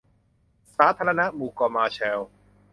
สาธารณรัฐหมู่เกาะมาร์แชลล์